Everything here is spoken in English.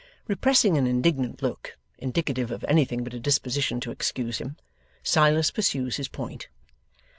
Repressing an indignant look, indicative of anything but a disposition to excuse him, Silas pursues his point.